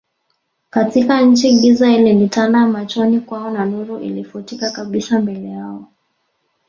katika nchi Giza lilitanda machoni kwao na nuru ilifutika kabisa mbele yao